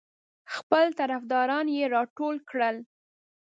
خپل طرفداران یې راټول کړل.